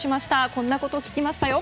こんなことを聞きましたよ。